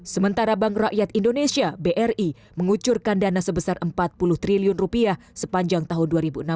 sementara bank rakyat indonesia bri mengucurkan dana sebesar empat puluh triliun rupiah sepanjang tahun dua ribu enam belas